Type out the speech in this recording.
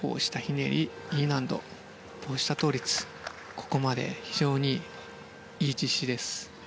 ここまで非常にいい実施です。